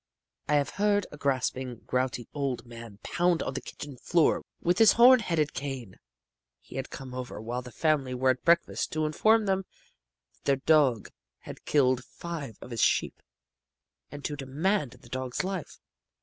I have heard a grasping, grouty old man pound on the kitchen floor with his horn headed cane he had come over while the family were at breakfast to inform them that their dog had killed five of his sheep, and to demand the dog's life.